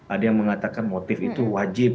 ada yang mengatakan motif itu wajib